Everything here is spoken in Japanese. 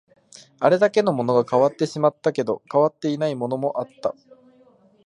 あれだけのものが変わってしまったけど、変わっていないものもあった